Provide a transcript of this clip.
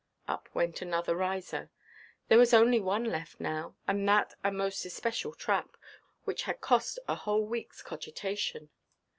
Up went another riser. There was only one left now, and that a most especial trap, which had cost a whole weekʼs cogitation.